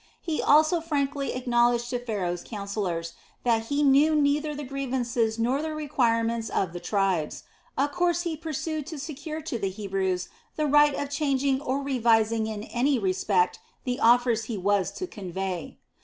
He also frankly acknowledged to Pharaoh's councillors that he knew neither the grievances nor the requirements of the tribes, a course he pursued to secure to the Hebrews the right of changing or revising in any respect the offers he was to convey.